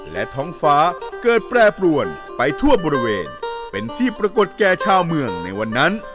และท้องฟ้าเกิดแปรปรวนไปทั่วบริเวณเป็นที่ปรากฏแก่ชาวเมืองในวันนั้น